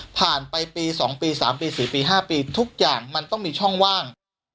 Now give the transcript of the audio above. ผ่านไปปี๒ปี๓ปี๔ปี๕ปีทุกอย่างมันต้องมีช่องว่าง